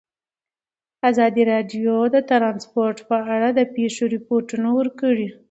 ازادي راډیو د ترانسپورټ په اړه د پېښو رپوټونه ورکړي.